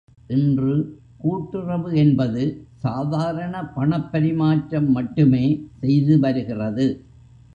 இன்று, கூட்டுறவு என்பது சாதாரண பணப்பரிமாற்றம் மட்டுமே செய்துவருகிறது.